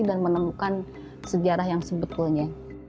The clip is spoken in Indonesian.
dan menemukan sejarah yang sebetulnya